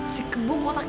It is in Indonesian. si kembung otak